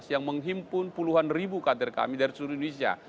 yang menghimpun puluhan ribu kader kami dari seluruh indonesia